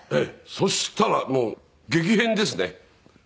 そしたら激変ですね。